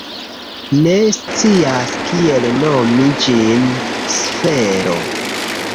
Ne scias kiel nomi ĝin. Sfero.